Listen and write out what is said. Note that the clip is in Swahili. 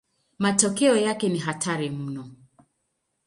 Matokeo yake ni hatari mno.